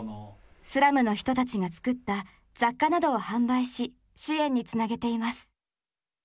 スラムの人たちが作った雑貨などを販売し支援につなげています。